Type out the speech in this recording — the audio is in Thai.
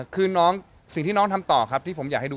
คือน้องสิ่งที่น้องทำต่อครับที่ผมอยากให้ดู